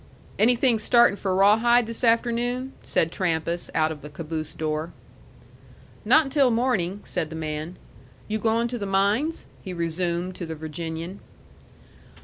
"Anything starting for Rawhide this afternoon?" said Trampas, out of the caboose door. "Not until morning," said the man. "You going to the mines?" he resumed to the Virginian.